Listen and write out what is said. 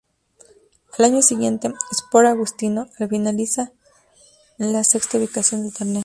Al año siguiente, Sport Agustino al finaliza en la sexta ubicación del torneo.